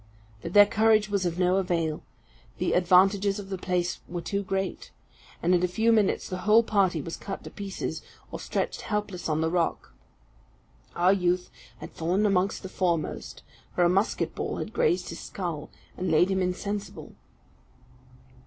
But their courage was of no avail; the advantages of the place were too great; and in a few minutes the whole party was cut to pieces, or stretched helpless on the rock. Our youth had fallen amongst the foremost; for a musket ball had grazed his skull, and laid him insensible.